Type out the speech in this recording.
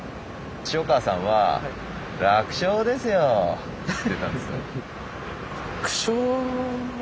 塩川さんは「楽勝ですよ」って言ったんですよ。